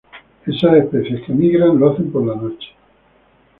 Esas especies que emigran lo hacen por la noche.